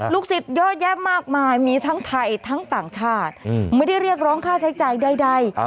ศิษย์เยอะแยะมากมายมีทั้งไทยทั้งต่างชาติไม่ได้เรียกร้องค่าใช้จ่ายใด